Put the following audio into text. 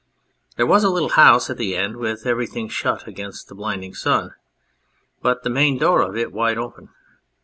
There was a little house at the end with every thing shut against the blinding sun, but the main door of it wide open.